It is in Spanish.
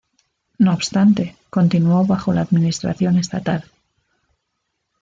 No obstante, continuó bajo la administración estatal.